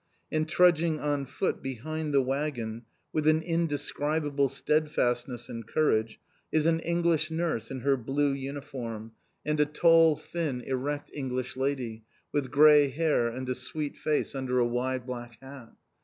And trudging on foot behind the waggon, with an indescribable steadfastness and courage, is an English nurse in her blue uniform, and a tall, thin, erect English lady, with grey hair and a sweet face under a wide black hat.